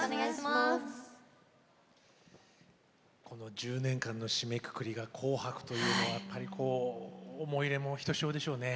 １０年間の締めくくりが紅白というのは思い入れもひとしおでしょうね。